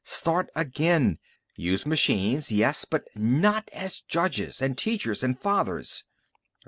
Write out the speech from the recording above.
Start again. Use machines, yes, but not as judges and teachers and fathers."